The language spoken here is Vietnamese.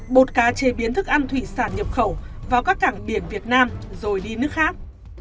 bột cá chế biến thức ăn thủy sản nhập khẩu vào các cảng biển việt nam rồi đi nước khác